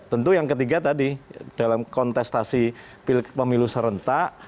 tentu yang ketiga tadi dalam kontestasi pemilu serentak